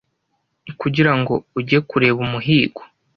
kugira ngo ujye kureba umuhigo